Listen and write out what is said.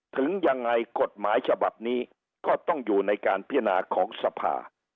ถึงยังไงกฎหมายฉบับนี้ก็ต้องอยู่ในการพินาของสภา